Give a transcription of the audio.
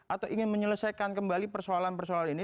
atau ingin menyelesaikan kembali persoalan persoalan ini